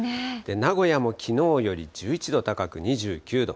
名古屋もきのうより１１度高く２９度。